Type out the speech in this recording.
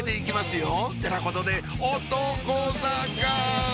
よってなことで男坂！